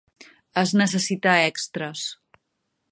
Es necessita extres.